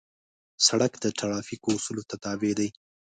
سړک د ترافیکو اصولو ته تابع دی.